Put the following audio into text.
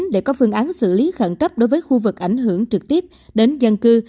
để có phương án xử lý khẩn cấp đối với khu vực ảnh hưởng trực tiếp đến dân cư